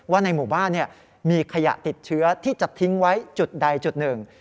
ในหมู่บ้านมีขยะติดเชื้อที่จะทิ้งไว้จุดใดจุดหนึ่ง